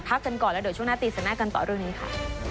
กันก่อนแล้วเดี๋ยวช่วงหน้าตีแสงหน้ากันต่อเรื่องนี้ค่ะ